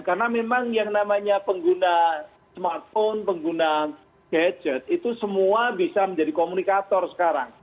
karena memang yang namanya pengguna smartphone pengguna gadget itu semua bisa menjadi komunikator sekarang